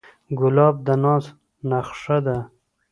ګلاب د ناز نخښه ده.